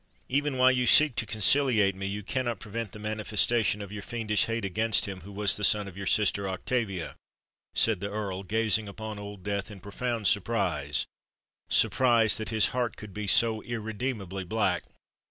"Even while you seek to conciliate me, you cannot prevent the manifestation of your fiendish hate against him who was the son of your sister Octavia!" said the Earl, gazing upon Old Death in profound surprise,—surprise that his heart could be so irredeemably black.